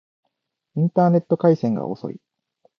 インターネット回線が遅い